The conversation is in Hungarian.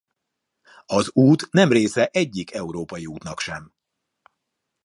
Az út nem része egyik európai útnak se.